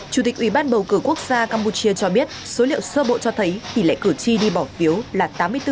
chủ tịch ủy ban bầu cử quốc gia campuchia cho biết số liệu sơ bộ cho thấy tỷ lệ cử tri đi bỏ phiếu là tám mươi bốn bốn